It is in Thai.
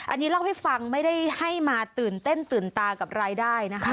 อันนี้เล่าให้ฟังไม่ได้ให้มาตื่นเต้นตื่นตากับรายได้นะคะ